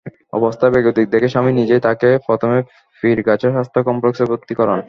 অবস্থা বেগতিক দেখে স্বামী নিজেই তাঁকে প্রথমে পীরগাছা স্বাস্থ্য কমপ্লেক্সে ভর্তি করান।